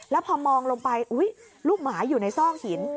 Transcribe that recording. แล้วพอมองลงไปอุ๊ยลูกหมาอยู่ในซอกหิน